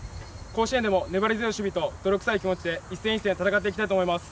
甲子園でも粘り強い守備と泥臭い気持ちで１戦１戦戦っていきたいと思います。